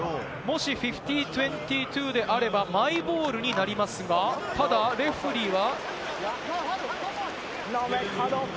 もし５０：２２であれば、マイボールになりますが、ただレフェリーは？